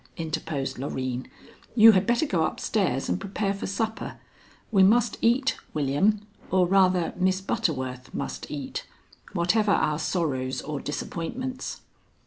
interposed Loreen, "you had better go up stairs and prepare for supper. We must eat, William, or rather, Miss Butterworth must eat, whatever our sorrows or disappointments."